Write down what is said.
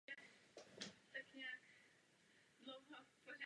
V podstatě jde o dva zkřížené nosníky spojené nápravou v místě jejíž křížení.